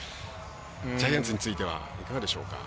ジャイアンツについてはいいかがでしょうか？